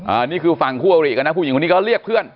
อ่านี่คือฝั่งผู้หรี่กันนะผู้หญิงคนนี้เขาเรียกเพื่อน